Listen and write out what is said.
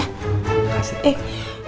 terima kasih tante